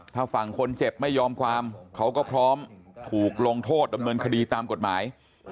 ถ้าฝั่งคนเจ็บไม่ยอมความเขาก็พร้อมถูกลงโทษดำเนินคดีตามกฎหมาย